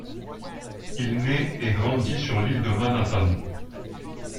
Il naît et grandit sur l'île de Manhattan.